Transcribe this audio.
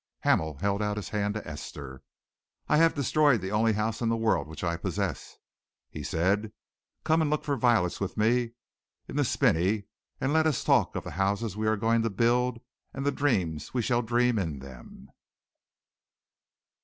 Hamel held out his hand to Esther. "I have destroyed the only house in the world which I possess," he said. "Come and look for violets with me in the spinney, and let us talk of the houses we are going to build, and the dreams we shall dream in them."